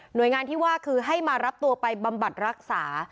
โดยงานที่ว่าคือให้มารับตัวไปบำบัดรักษา